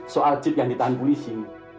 soal jeep yang ditahan polisi